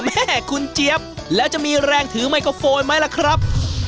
แม่คุณเจี๊ยบแล้วจะมีแรงถือไมโครโฟนไหมล่ะครับ